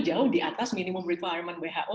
jauh di atas minimum reviement who